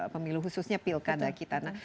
pemiliu khususnya pilkada kita